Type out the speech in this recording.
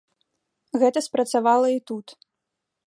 Гэта спрацавала і тут.